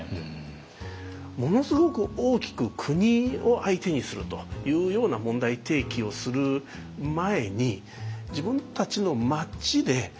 ものすごく大きく国を相手にするというような問題提起をする前に自分たちの町で「ちょっとここ困ってるよね」